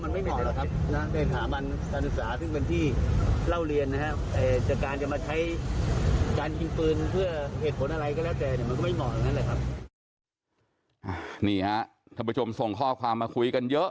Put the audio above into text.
มันก็ไม่เหมาะอย่างนั้นแหละครับนี่ฮะท่านผู้ชมส่งข้อความมาคุยกันเยอะ